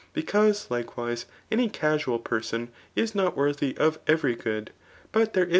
Because, likewise, any casual pi^rsonisinbt wcrthy of every good^ hut' there is.